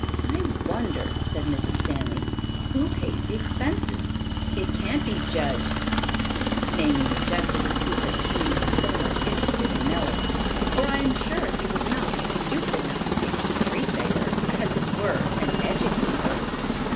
"I wonder," said Mrs. Stanley, "who pays the expenses? It can't be Judge —— (naming the gentleman who had seemed so much interested in Nellie), for I am sure he would not be stupid enough to take a street beggar, as it were, and educate her."